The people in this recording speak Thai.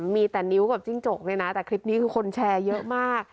มีแต่นิ้วกับจิ้งจกเนี่ยนะแต่คลิปนี้คือคนแชร์เยอะมาก